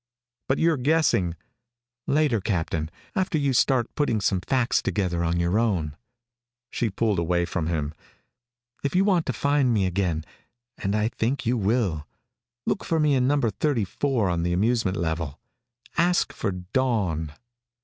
"But you're guessing " "Later, Captain, after you start putting some facts together on your own." She pulled away from him. "If you want to find me again and I think you will look for me in Number thirty four on the amusement level. Ask for Dawn."